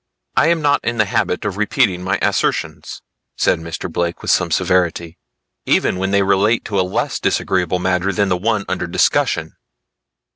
"I am not in the habit of repeating my assertions," said Mr. Blake with some severity, "even when they relate to a less disagreeable matter than the one under discussion."